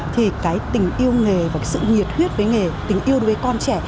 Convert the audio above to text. thì cái tình yêu nghề và sự nhiệt huyết với nghề tình yêu với con trẻ